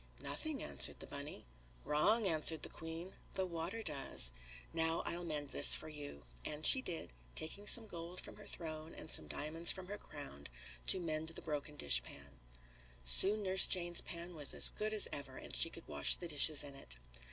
"Nothing," answered the bunny. "Wrong," answered the White Queen. "The water does. Now I'll mend this for you." And she did, taking some gold from her throne and some diamonds from her crown to mend the broken dishpan. Soon Nurse Jane's pan was as good as ever and she could wash the dishes in it.